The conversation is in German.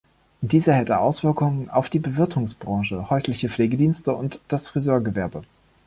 Diese hätte Auswirkungen auf die Bewirtungsbranche, häusliche Pflegedienste und das Friseurgewerbe.